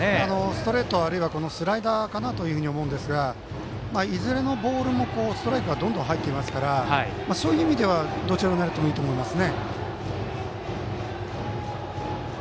ストレート、あるいはスライダーかなと思うんですがいずれのボールも、ストライクがどんどん入っていますからそういう意味ではどちらに投げてもいいと思います。